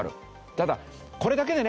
ただこれだけでね